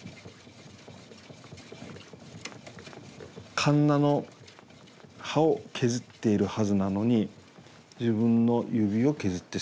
かんなの刃を削っているはずなのに自分の指を削ってしまったということも。